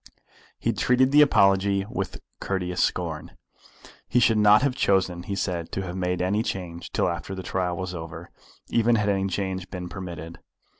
He treated the apology with courteous scorn. He should not have chosen, he said, to have made any change till after the trial was over, even had any change been permitted.